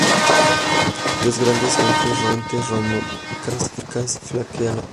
Dos grandes contrafuertes románicos flanquean la portada.